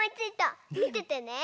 みててね！